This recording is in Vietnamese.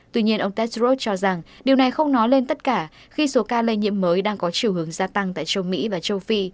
tuy nhiên ông testrot cho rằng điều này không nói lên tất cả khi số ca lây nhiễm mới đang có chiều hướng gia tăng tại châu mỹ và châu phi